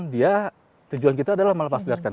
dia tujuan kita adalah melepaskan